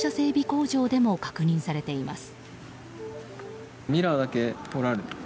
工場でも確認されています。